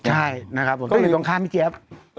ใช่นะครับก็เลยตรงข้ามพี่เจฟ